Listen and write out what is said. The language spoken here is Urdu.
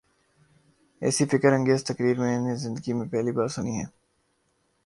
ایسی فکر انگیز تقریر میں نے زندگی میں پہلی بار سنی ہے۔